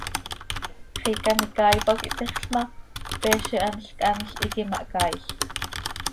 Xiica an icaai pac ihtexl ma, peez ihanl chanl hiiqui mahcaail.